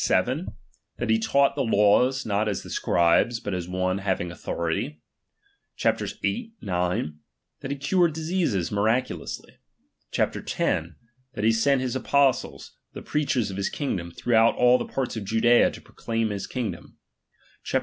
vii., that he taught ^H the laws, not as the Scribes, but as one having au ^H thority : chapters viii. ix., that he cured diseases ^H miraculously : chap, x., that he sent his apostles, ^H the preachers of his kingdom, throughout all the ^H parts of Judea to proclaim his kingdom : chap, xi.